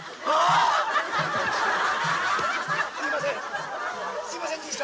あ⁉すいません！